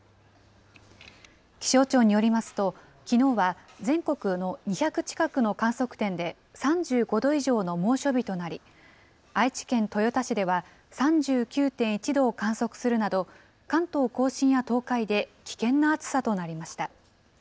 気象庁によりますと、きのうは全国の２００近くの観測点で３５度以上の猛暑日となり、愛知県豊田市では、３９．１度を観測するなど、関東甲信や東海で危険な暑さとなりました。